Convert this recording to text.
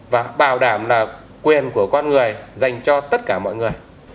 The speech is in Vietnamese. và bảo đảm là quyền của con người dành cho tất cả mọi người